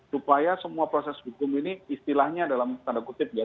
supaya semua proses hukum ini istilahnya dalam tanda kutip ya